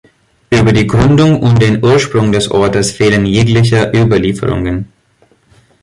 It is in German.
Über die Gründung und den Ursprung des Ortes fehlen jegliche Überlieferungen.